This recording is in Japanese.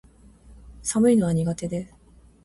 寒いのは苦手です